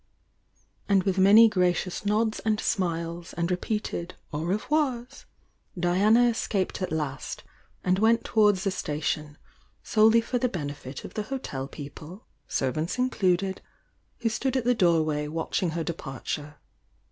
And with many gracious nods and smiles and re peated o« revoirs, Diana escaped at last, and went towards the station, solely for the benefit of the liotel people, servants included, who stood at the doorway watching her departure.